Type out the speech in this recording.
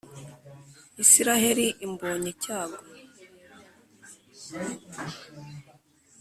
isiraheli imbonye cyago